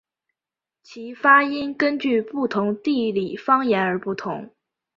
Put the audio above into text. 其发音根据不同地理方言而不同。